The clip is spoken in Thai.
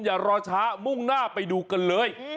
อย่ารอช้ามุ่งหน้าไปดูกันเลย